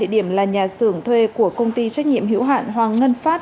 hai địa điểm là nhà xưởng thuê của công ty trách nhiệm hiểu hạn hoàng ngân phát